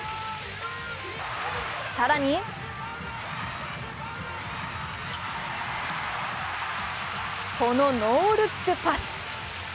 更に、このノールックパス！